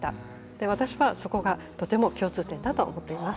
で私はそこがとても共通点だと思っています。